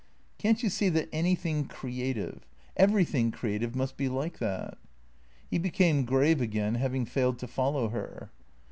" Can't you see that anything creative — everything creative must be like that ?" He became grave again, having failed to follow her.